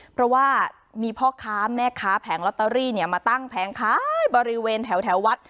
เพราะว่ามีพ่อค้าแม่ค้าแผงลอตเตอรี่มาตั้งแผงขายบริเวณแถววัด